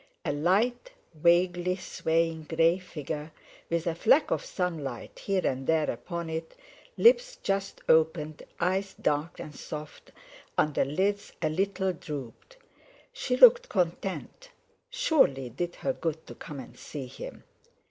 A light, vaguely swaying, grey figure with a fleck of sunlight here and there upon it, lips just opened, eyes dark and soft under lids a little drooped. She looked content; surely it did her good to come and see him!